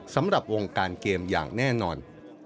สำหรับวงการเกมอย่างแน่นอน